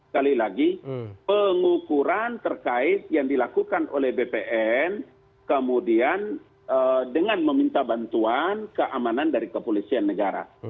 kali lagi pengukuran terkait yang dilakukan oleh bpn kemudian dengan meminta bantuan keamanan dari kepolisian negara